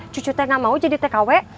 cucu teh nggak mau jadi tkw